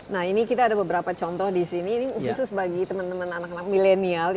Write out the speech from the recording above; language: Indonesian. nah ini kita ada beberapa contoh di sini ini khusus bagi teman teman anak anak milenial